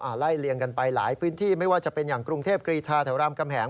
ไล่เลี่ยงกันไปหลายพื้นที่ไม่ว่าจะเป็นอย่างกรุงเทพกรีธาแถวรามกำแหง